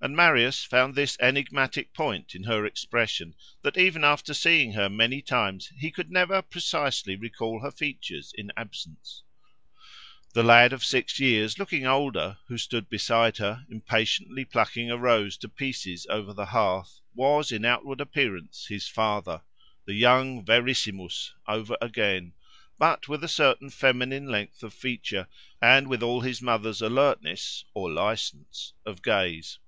And Marius found this enigmatic point in her expression, that even after seeing her many times he could never precisely recall her features in absence. The lad of six years, looking older, who stood beside her, impatiently plucking a rose to pieces over the hearth, was, in outward appearance, his father—the young Verissimus—over again; but with a certain feminine length of feature, and with all his mother's alertness, or license, of gaze.